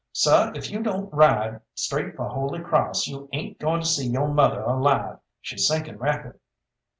"Seh, if you don't ride straight for Holy Cross, you ain't goin' to see yo' mother alive she's sinking rapid."